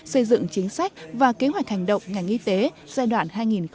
xây dựng chính sách và kế hoạch hành động ngành y tế giai đoạn hai nghìn một mươi sáu hai nghìn hai mươi